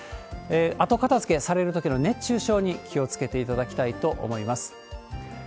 後片づけされるときの熱中症に気をつけていただきたいと思います。